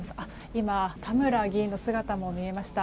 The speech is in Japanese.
今、田村議員の姿も見えました。